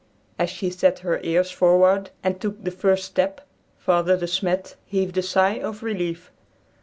As she set her ears forward and took the first step, Father De Smet heaved a sigh of relief.